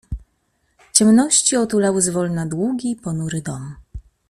"Ciemności otulały zwolna długi, ponury dom."